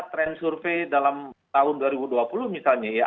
dan survei dalam tahun dua ribu dua puluh misalnya ya